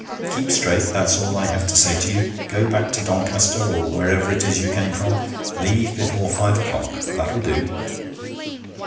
Keep straight, that's all I have to say to you. Go back to Doncaster, or wherever it is you came from. Leave before five o'clock. That will do.'